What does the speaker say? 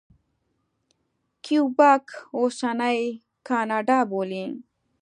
کیوبک اوسنۍ کاناډا بولي.